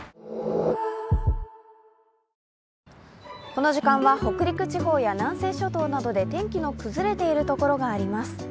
この時間は北陸地方や南西諸島などで天気の崩れているところがあります。